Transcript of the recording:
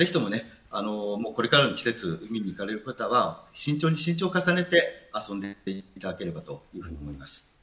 これからの季節海に行かれる方は慎重に慎重を重ねて遊んでいただければと思います。